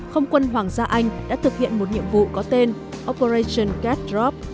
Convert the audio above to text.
không quân hoàng gia anh đã thực hiện một nhiệm vụ có tên operation cat drop